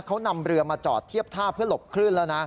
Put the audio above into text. เขานำเรือมาจอดเทียบท่าเพื่อหลบคลื่นแล้วนะ